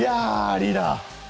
リーダー。